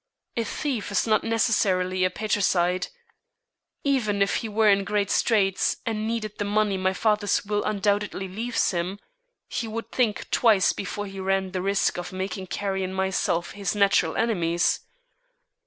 A thief is not necessarily a parricide. Even if he were in great straits and needed the money my father's will undoubtedly leaves him, he would think twice before he ran the risk of making Carrie and myself his natural enemies.